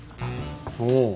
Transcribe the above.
おお！